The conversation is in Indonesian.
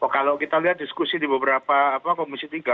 kalau kita lihat diskusi di beberapa komisi tiga